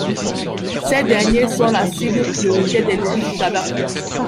Ces derniers sont la cible prioritaire des lobbies du tabac.